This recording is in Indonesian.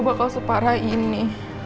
bakal separah ini